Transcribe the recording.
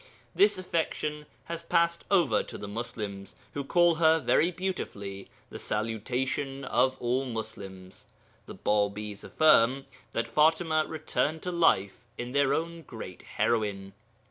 This affection has passed over to the Muslims, who call her very beautifully 'the Salutation of all Muslims.' The Bābis affirm that Fatima returned to life in their own great heroine.